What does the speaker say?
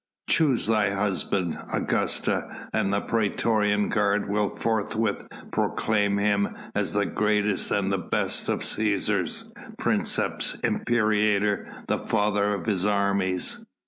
Choose thy husband, Augusta, and the praetorian guard will forthwith proclaim him as the greatest and best of Cæsars, princeps, imperator, the father of his armies.